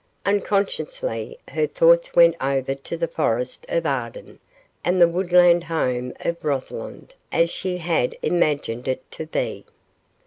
Unconsciously her thoughts went over to the Forest of Arden and the woodland home of Rosalind, as she had imagined it to be.